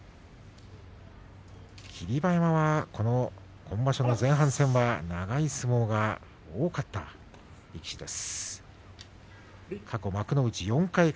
霧馬山は今場所の前半戦は長い相撲が多かった力士です。